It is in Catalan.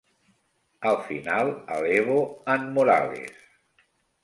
Al final elevo en Morales.